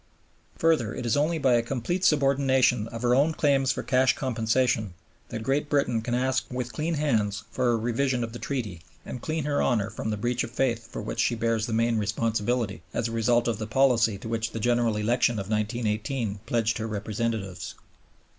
Further, it is only by a complete subordination of her own claims for cash compensation that Great Britain can ask with clean hands for a revision of the Treaty and clear her honor from the breach of faith for which she bears the main responsibility, as a result of the policy to which the General Election of 1918 pledged her representatives.